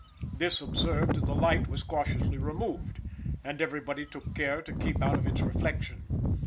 This observed, the light was cautiously removed, and everybody took care to keep out of its reflection.